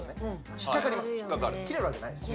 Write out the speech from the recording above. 引っかかります切れるわけないです